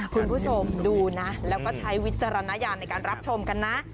คุณผู้ชมดูนะแล้วก็ใช้วิจารณญาณในการรับชมกันนะ